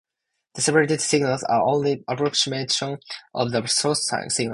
The separated signals are only approximations of the source signals.